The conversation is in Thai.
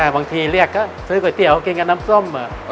บางทีเรียกก็ซื้อก๋วยเตี๋ยวกินกับน้ำส้ม